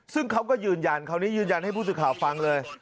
ซึ่งเขาก็ยืนยันคราวนี้ยืนยันให้ผู้สื่อข่าวฟังเลย